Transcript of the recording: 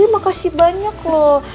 makasih banyak loh